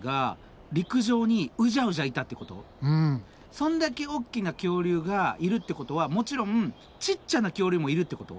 そんだけ大きな恐竜がいるってことはもちろんちっちゃな恐竜もいるってこと？